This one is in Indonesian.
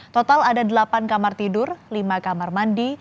total ada delapan kamar tidur lima kamar mandi